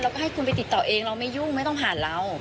แล้วก็ให้คุณไปติดต่อเองเราไม่ยุ่งไม่ต้องผ่านเรา